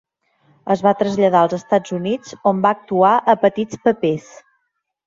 Es va traslladar als Estats Units, on va actuar a petits papers.